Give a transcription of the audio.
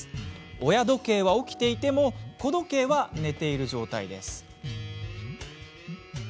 親時計は起きていても子時計は寝ている状態です。